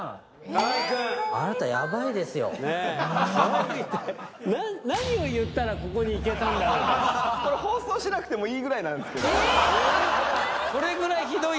河合さん？何を言ったらここにいけたんだろうかこれ放送しなくてもいいぐらいなんですけどえっ！